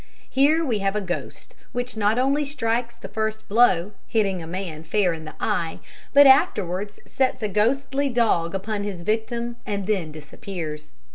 Here we have a ghost which not only strikes the first blow, hitting a man fair in the eye, but afterwards sets a ghostly dog upon his victim and then disappears.